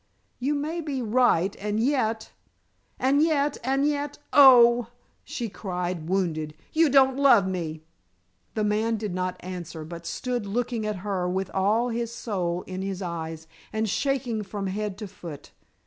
"You may be right, and yet " "And yet, and yet oh," she cried, wounded, "you don't love me." The man did not answer, but stood looking at her with all his soul in his eyes, and shaking from head to foot.